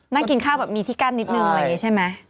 นั่งกินข้าวแบบมีที่กั้นนิดนึงอะไรอย่างนี้ใช่ไหม